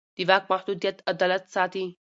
د واک محدودیت عدالت ساتي